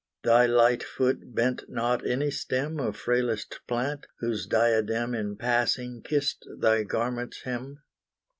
Thy light foot bent not any stem Of frailest plant, whose diadem In passing kissed thy garment's hem.